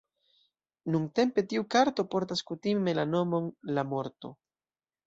Nuntempe tiu karto portas kutime la nomon "La Morto".